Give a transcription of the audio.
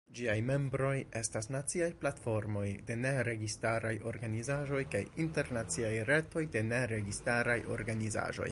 Ĝiaj membroj estas naciaj platformoj de neregistaraj organizaĵoj kaj internaciaj retoj de neregistaraj organizaĵoj.